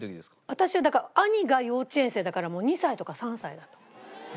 私はだから兄が幼稚園生だから２歳とか３歳だったの。